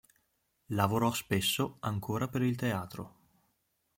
Lavorò spesso ancora per il teatro.